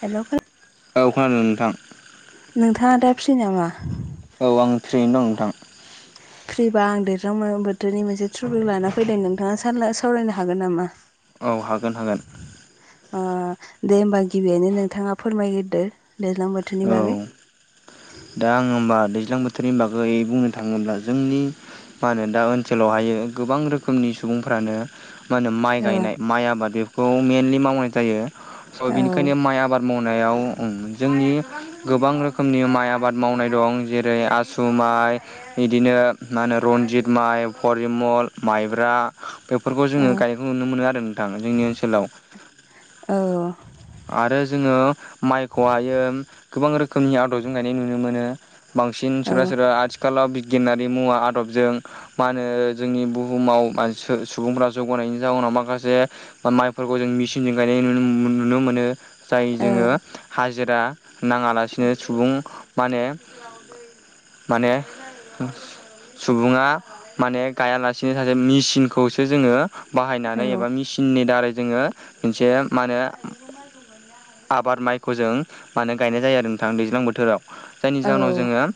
हेल' औ खोनादों नोंथां नोंथाङा दा फि नामा औ आं थ्रियैनो दं नोंथां फ्रिबा आं देरहां बोथोरनि मोनसे ट्रभिउ लाना फैदों नोंथाङा सान सावरायनो हागोन नामा औ हागोन हागोन अ दे होमबा गिबियैनो नोंथाङा फोरमायग्रदो दैज्लां बोथोरनि औ बागै दा आङ होमबा दैज्लां बोथोरनि बागै बुंनो थाङोब्ला जोंनि मा होनो दा ओनसोलावहायो गोबां रोखोमनि सुबुंफ्रानो मा होनो माइ ओ गायनाय माइ आबाद बेखौ मइेनलि मावनाय जायो स' बेनिखायनो औ माइ आबाद मावनायाव जोंनि गोबां रोखोमनि म आबाद मावनाय दं जेरै आसु माइ बिदिनो मा होनो रन्जित माइ परिमल माइब्रा बेफोरखौ औ जोङो गायनायखौ नुनो मोनो आरो नोंथां जोंनि ओनसोलाव आरो जोङो माइखौहाय गोबां रोखोमनि आदबजों गायनाय नुनो मोनो बांसिन औ ओ सोरा सोरबा आथिखालाव बिगियानारि मुवा आदबजों मा होनो जोंनि बुहुमाव सुबुंफ्रा जौगानायनि जाउोनाव माखासे बा माइफोरखौ जों मेसिनजों गायनाय नुनो मोनो जाय जोङो हाजिरा नाङालासिनो सुबुं माने माने सुबुङा माने गायालासेनो सासे मेसिनखौसो जोङो बाहायनानै औ एबा मिचिननि दारै जोङो मोनसे मा होनो आबाद माइखौ जों मानो गायनाय जायो आरो नोंथां दैज्लां बोथोराव जायनि जाहोनाव औ जोङो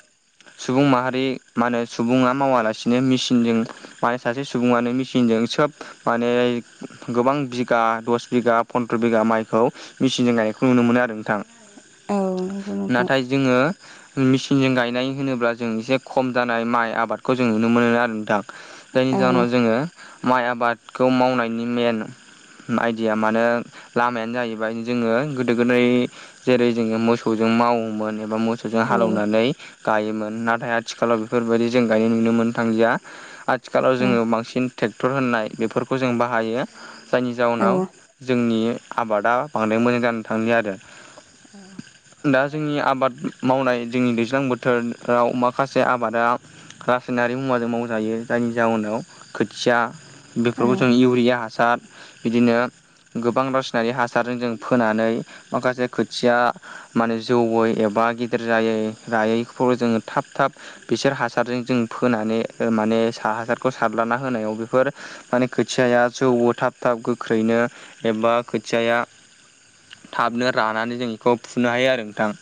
सुबुं माहारि मा होनो सुबुङा मावालासिनो मेसिनजों माने सासे सुबुङानो मेसिनजों सोब माने गोबां बिगा दस बिगा फन्द्र' बिगा माइखौ मेचिनजों गायनायखौ नुनो मोनो आरो नोंथां नंगौ नोंथां नाथाय जोङो मेचिनजों गायनाय होनोब्ला जों एसे खम जानाय माइ आबादखौ जों नुनो मोनो आरो दा जायनि औ जाहोनाव औ जोङो माइ आबादखौ मावनायनि मेन आइदिया मानो लामायानो जाहैबाय जोङो गोदो गोदाय जेरै जोङो मोसौजों मावोमोन एबा मोसौजों औ हालौनानै गायोमोन नाथाय आथिखालाव बेफोरबायदि जों गायनाय नुनो मोन थांजिया आथिखालाव जोङो बांसिन ट्रेक्टर होननाय बेफोरखौ जों बाहायो जायनि जाउनाव औ जोंनि आबादा बांद्राय मोजां जानो थांलि आरो दा जोंनि आबाद मावनाय जोंनि दैज्लां बोथोराव माखासे आबादा रासायनारि मुवाजों मावजायो जायनि जाहोनाव खोथिया औ बेफोरखौ जों इउरिया हासार बिदिनो गोबां रावसिनारि हासारजों जों फोनानै माखासे खोथिया माने जौयै एबा गिदिर जायै रायैखौ जोङो थाब थाब बिसोर हासारजों जों फोनानै माने हासारखौ सार्लाना होनायाव बेफोर माने खोथियाया जौ थाब थाब गोख्रैनो एबा खोथियाया थाबनो रानानै जों बेखौ फुनो हायो आरो नोंथां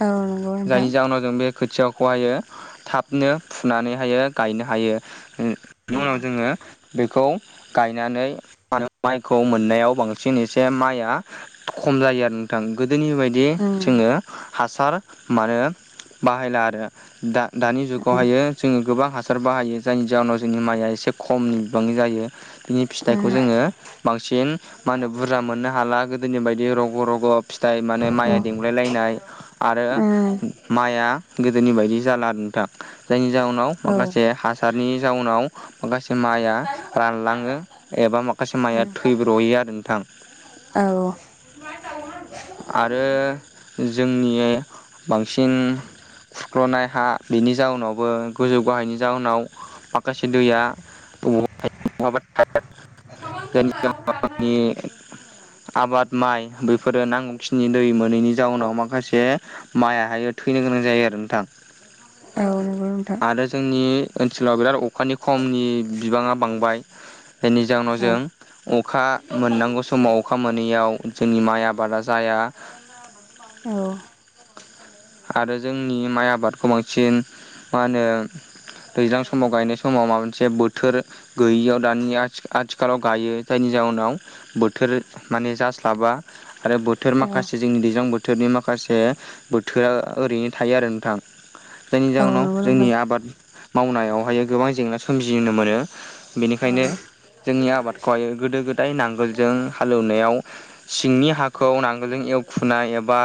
औ नंगौ नोंथां जायनि जाउनाव जों बे खोथियाखौहायो थाबनो फुनानैहायो गायनो हायो। नि उम उनाव जोङो बेखौ गायनानै [unintelligible] माइखौ मोननायाव बांसिन एसे माइआ खम जायो आरो नोंथां गोदोनि बायदि उम जोङो हासार मानो बाहायला आरो। दा- दानि जुगावहायो उम जोङो गोबां हासार बाहायो जायनि जाहोनाव जोंनि माइया एसे खमनि बिबांनि जायो। बिनि फिथाइखौ जोङो बांसिन मा होनो बुरजा मोननो हाला गोदोनि बायदि रग'- रग' फिथाइ माने माइया उम दंलायलायनाय। आरो उम माइआ गोदोनि बायदि जाला आरो नोंथां जायनि जाउनाव औ माखासे हासारनि जाउनाव माखासे माइआ रानलाङो एबा माखासे माइया थैब्र'यो आरो नोंथां। [inaudible] औ आरो जोंनि बांसिन खुरख्ल'नाय हा बेनि जाउनावबो गोजौ गाहायनि जाउनाव माखासे दैया बबावा [inaudible] थायोबा थायो जायनि [unintelligible] आबाद माइ बैफोरो नांगौखिनि दै मोनैनि जाउनाव मा माखासे माइयाहायो थैनो गोनां जायो आरो नोंथां। औ नंगौ नोंथां। आरो जोंनि ओनसोलाव बिराद अखानि खमनि बिबाङा बांबाय। बेनि जाउनाव औ जों अखा मोननांगौ समाव अखा मोनैयाव जोंनि माइ आबादा जाया। औ आरो जोंनि माइ आबादखौ बांसिन मा होनो दैज्लां समाव गायनाय समाव माबा मोनसे बोथोर गैयियाव दानि आथि-आथिखालाव गायो जायनि जाउनाव बोथोर माने जास्लाबा आरो बोथोर औ माखासे जोंनि दैज्लां बोथोर बोथोरनि माखासे बोथोरा ओरैनो थायो आरो नोंथां जायनि औ जाहोनाव नंगौ जोंनि नोंथां आबाद मावनायावहायो गोबां जेंना सोमजिनो मोनो बेनिखायनो जोंनि आबादखौहाय गोदो गोदाय नांगोलजों हाल एवनायाव सिंनि हाखौ नांगोलजों एवखुनाय एबा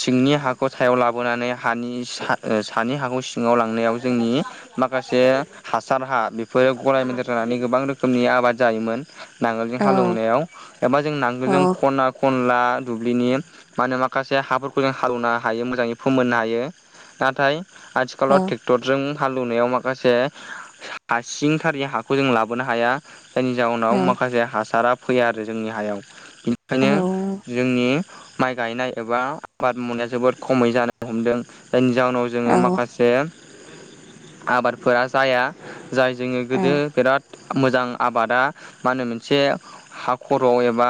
सिंनि हाखौ सायाव लाबोनानै हानि सा ओ सानि हाखौ सिङाव लांनायाव जोंनि माखासे हासार हा बेफोरो गलाय मोनदेर जानानै गोबां रोखोमनि आबाद जायोमोन। नांगोलजों औ हाल एवनायाव एबा जों औ नांगोलजों खना खनला दुब्लिनि मा होनो माखासे हाफोरखौ जों हालेवनो हायो मोजाङै फोमोननो हायो नाथाय आथिखालाव टेक क्टरजों हालुवनायाव माखासे हा सिंथारनि हाखौ जों लाबोनो हाया। जायनि जाउनाव औ माखासे हासारा फैया आरो जोंनि हायाव औ बिनिखायनो जोंनि माइ गायनाय एबा आबाद मावनाया जोबोद खमै जानो हमदों। जायनि जाउनाव जोङो औ माखासे आबादफोरा जाया। जाय जोङो गोदो बिराद मोजां आबादा मा होनो मोनसे हा खर'वाव एबा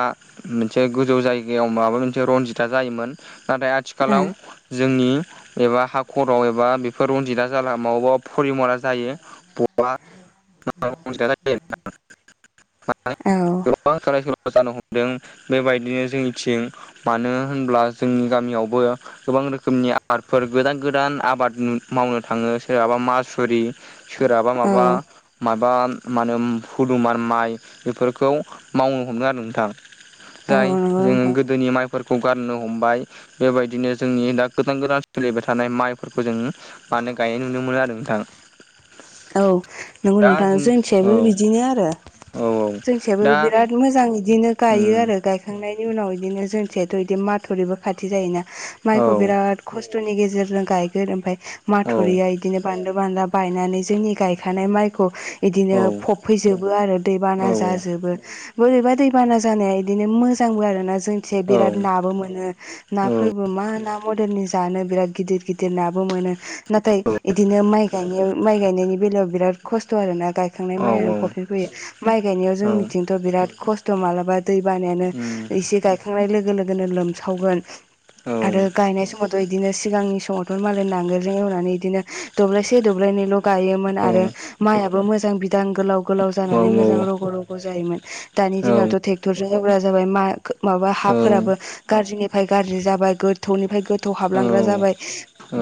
मोनसे गोजौ जायगायाव माबा मोनसे रनजितआ जायोमोन नाथाय आथिखालाव जोंनि एबा हा खराव एबा बेफोर रनजिता जाला मावबा परिमला जायो। [inaudible] औ। गोबां सोलाय सोल' जानो हमदों बेबायदिनो जोंनिथिं मानो होनब्ला जोंनि गामियावबो गोबां रोखोमनि आबादफोर गोदान- गोदान आबाद मावनो थाङो सोरहाबा मासुरि सोरहाबा माबा माबा मा होनो हुदुमान माइ बेफोरखौ मावनो हमदों आरो नोंथां। जाय नंगौ जों नोंथां गोदोनि माइ फोरखौ गारनो हमबाय बेबायदिनो जोंनि दा गोदान गोदान सोलिबाय थानाय माइफोरखौ जों मानो गायनाय नुनो मोनो आरो नोंथां औ नंगौ दा नोंथां जों औ जोंथिंजायबो बिदिनो आरो औ औ जोंथिंजायबो दा बिराद मोजां इदिनो गायो उम आरो गायखांनायनि उनाव बिदिनो जोंथिजायथ' बिदि माथावरिबो खाथि जायोना औ माइखौ बिराद खस्थ'नि गेजेरजों गायगोन ओमफ्राय औ माथरिया बिदिनो बानलु बानला बायनानै जोंनि गायखानाय माइखौ बिदिनो औ फबफैजोबो आरो औ दैबाना जाजोबो बोरैबा दैबाना जानाया बिदिनो मोजांबो आरो ना जोंथिजाय बिराद नाबो मोनो नाफोरबो मा ना मदेलनि जानो बिराद गिदिर गिदिर नाबो मोनो नाथाय बिदिनो माइ गायनायाव माइ गायनायनि बेलायाव बिराद खस्थ' आरोना गायखांनाय औ मायानो फबफिन फैयो माइ गायनायाव जोंनिथिंथ' बिराद खस्थ' मालाबा दै बानायानो एसे गायखांनाय लोगो लोगोनो लोमसावगोन आरो गायनाय समावथ बिदिनो सिगांनि समावथ' मालाय नांगोलजों एवनानै बिदिनो दब्लायसे दब्लायनैल' गायोन आरो माइआबो मोजां बि दां गोलाव गोलाव जानानै मोजां रग' रग' जायोमोन दानि दिनावथ' ट्रेक्टरजों एवग्रा जाबाय मा माबा हाफोराबो गाज्रिनिफ्राय गाज्रि जाबाय गोथौनिफ्राय गो थौ हाबलांग्रा जाबाय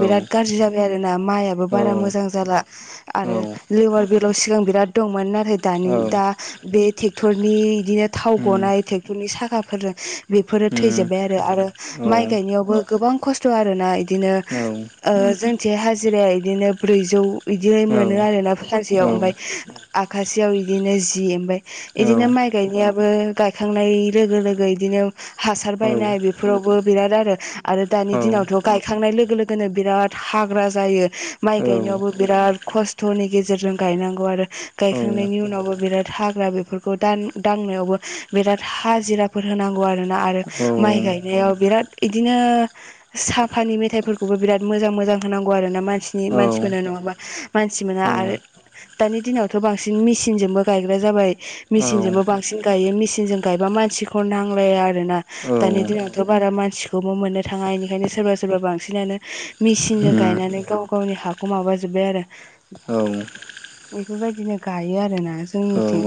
बिराद गाज्रि जाबाय आरो ना मायाबो बारा मोजां जाला आरो लेवार बेलाव सिगां बिराद दंमोन नाथाय दानि दा बे टे क्टर नि इदिनो थाव गनाय ट्रेक्टरनि साखाफोरजों बेफोरो थैजोबबाय आरो आरो माइ गायनायावबो गोबां खस्थ' आरोना बिदिनो औ ओ जोंथि हाजिराया बिदिनो ब्रैजौ बिदिनो मोनो आरोना फानसेयाव ओमफ्राय आखासेयाव बिदिनो जि ओमफ्राय इदिनो माइ गायनायाबो गायखांनाय लोगो लोगो इदिनो हासार बायनाय बेफोरावबो बिराद आरो आरो दानि दिनावथ' गायखांनाय लोगो लो बिराद हाग्रा जायो माइ गायनायावबो बिराद खस्थ'नि गेजेरजों गायनांगौ आरो गायखांनायनि उनावबो बिराद हाग्रा बेफोरखौ दान दांनायावबो बिराद हाजिराफोर होनांगौ आरोना आरो माइ गायनायाव बिराद बिदिनो साफानि मेथाइफोरखौबो बिराद मोजां मोजां होनांगौ आरो ना मानसिनि मानसिफोरनो नङा बा मानसि मोना आरो दानि दिनावथ' बांसिन मेसिनजोंबो गायग्रा जाबाय मेसिनजोंबो बांसिन गायो मेसिनजों गायबा मानसिखौ नांलाया आरोना दानि दिनावथ' बारा मानसिखौबो मोननो थाङा बेनिखायनो सोरबा सोरबा बांसिनानो मिसिनजों गायनानै गाव गावनि हाखौ माबा बिबाय आरो बेफोरबायदिनो गायो आरोना जोंनिथिं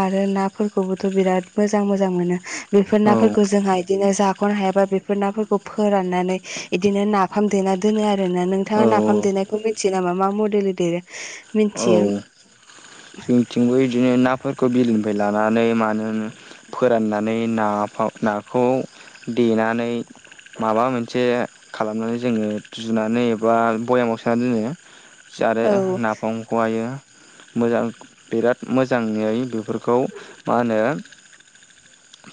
आरो नाफोरखौबोथ' बिराद मोजां मोजां मोनो बेफोर नाफोरखौ जोंहा इदिनो जाख'नो हायाबा बे बेफोर नाफोरखौ फोराननानै बिदिनो नाफाम देना दोनो आरोना नोंथाङा नाफाम देनाय बेखौ मिथियो नामा मा मडेल देरो औ औ मिथियो जोंथिंबो बिदिनो नाफोरखौ बिलोनिफ्राय लानानै मानो फोराननानै नाफाम नाखौ देनानै माबा मोनसे खालामनानै जोङो जुनानै एबा भयामाव सोनानै दोनो आरो औ नाफामखौहायो मोजां बिराद मोजाङै बेफोर खौ मा होनो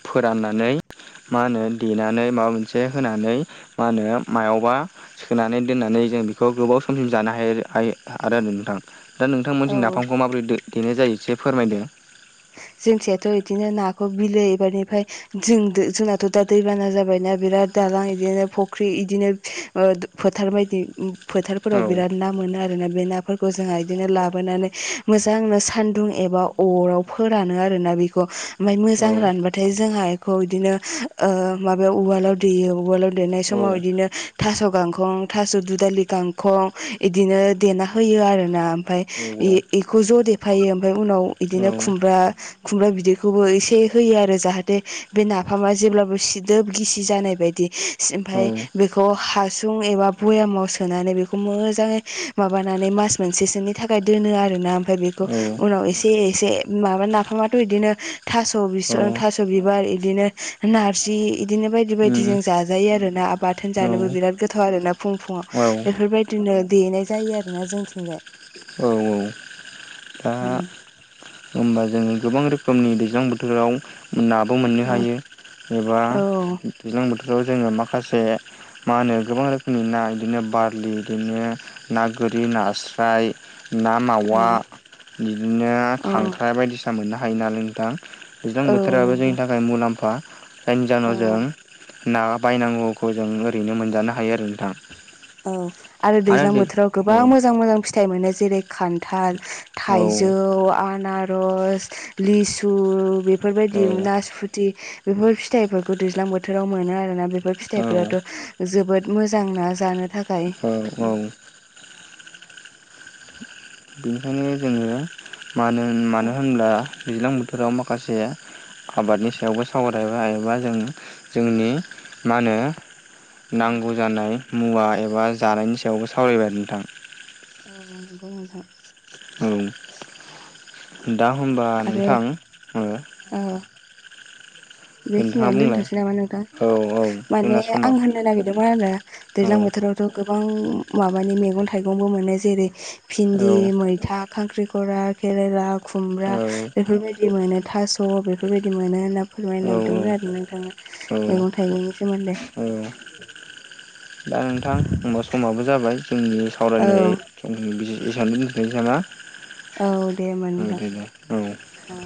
फोराननानै मा होनो देनानै माबा मोनसे होनानै मा होनो मायावबा सोनानै दोननानै जों बेखौ गोबाव समसिम जानो हायो हायो आरो नोंथां दा नोंथांमोनथिं औ नाफामखौ माबोरै दो देनाय जायो एसे फोरमायदो जोंथियाथ' बिदिनो नाखौ बिलो एबारनिफ्राय जों जोंनाथ' दा दैबाना जाबायना बिराद दालां बिदिनो फुख्रि बिदिनो ओ फोथार बायदि फोथारफोराव औ बिराद ना मोनो आरोना बे नाफोरखौ जोंहा बिदिनो लाबोनानै मोजांनो सान्दुं एबा अराव फोरानो आरोना बेखौ ओमफ्राय औ मोजां रानबाथाय जोंहा इखौ इदिनो ओ माबायाव उवालाव देयो उवालाव देनाय समाव बिदिनो थास' गांखं थास' दुदालि गां खं इदिनो देना होयो आरोना ओमफाय औ औ बेखौ ज' देफायो ओमफाय उनाव बिदिनो खुमब्रा खुमब्रा बिदैखौबो एसे होयो आरो जाहाथे बे नाफामा जेब्लाबो सिदोब गिसि जानाय बायदि औ ओमफाय बेखौ हासुं एबा भयामाव सोनानै बेखौ मोजाङै माबानानै मास मोनसेसोनि थाखाय दोनो आरोना ओमफ्राय बेखौ उनाव एसे एसे माबा नाफामाथ' इदिनो थास' बिसं थास' बिबार इदिनो नारजि इदिनो बायदि बायदि बिदि जों जाजायो आरो ना बाथोन जानोबो बिराद गोथाव आरोना फुं फुङाव बेफोरबायदि बिदिनो देनाय जायो आरोना जोंथिंजाय औ औ दा होमबा जों गोबां रोखोमनि दैज्लां बोथोराव नाबो मोननो हायो एबा औ दैज्लां बोथोराव जोङो माखासे मा होनो गोबां रोखोमनि ना इदिनो बारलि इदिनो ना गोरि नास्राय ना मावा औ इदिनो औ खांख्राइ बायदिसिना मोननो हायो नालाय नोंथां दैज्लां औ बोथोराबो जोंनि थाखाय मुलाम्फा जायनि औ जाहोनाव जों ना बायनांगौखौ जों ओरैनो मोनजानो हायो आरो नोंथाङा औ आरो दैज्लां बोथोराव गोबां मोजां मोजां फि फिथाइ मोनो जेरै खान्थाल औ थाइजौ आनारस लिसु औ बेफोरबायदि नासफुथि बेफोर फिथाइफोरखौ दैज्लां बोथोराव मोनो आरोना बेफोर औ फिथाइफोराथ' जोबोद मोजांना जानो थाखाय औ औ बेनिखायनो जोङो मानो मानो औ होनब्ला दैज्लां बोथोराव माखासे आबादनि सायावबो सावरायबाय एबा जों जोंनि मा होनो नांगौ जानाय मुवा एबा जानायनि सायावबो सावरायबाय आरो नोंथां औ नंगौ नोंथां औ दा होमबा आरो नोंथां ओ [inaudible] बेखिनियावनो बुंलाय दोनथ'नोसै नामा नोंथां औ औ माने जोंना समा आं होननो नागिरदोंमोन आरो औ दैज्लां बोथोराव थ' गोबां माबानि मैगं थाइगंबो मोनो जेरै औ भिन्दि मैथा खांख्रिखरा खेरेला खुमब्रा बेफोरबायदि बिदि मोनो थास' बेफोरबायदि मोनो होनना औ फोरमायनोनागिरदोंमोन आरो नोंथाङा मैगं थाइगंनि सोमोन्दै ओ दा नोंथां होनबा समाबो जाबाय जोंनि औ सावरायनाय जोंनि एसामबो मिथिलाय लाङा औ दे होनबा नोंथां औ